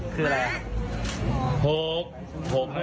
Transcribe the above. คืออะไร๖๖นะครับ๖นะครับ